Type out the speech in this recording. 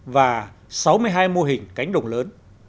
và sáu mươi hai mô hình cánh đồng lớn